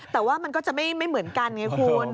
แต่ว่ามันก็จะไม่เหมือนกันไงคุณ